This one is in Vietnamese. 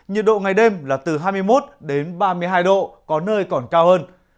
nhiệt độ ngày đêm là từ hai mươi một đến ba mươi hai độ có nơi còn cao hơn